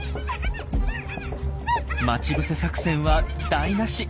待ち伏せ作戦は台なし。